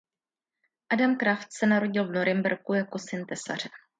Adam Kraft se narodil v Norimberku jako syn tesaře.